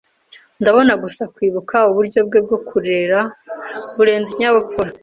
Ndabona gusa kwibuka uburyo bwe bwo kurera burenze ikinyabupfura